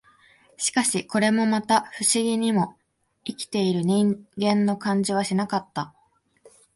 しかし、これもまた、不思議にも、生きている人間の感じはしなかった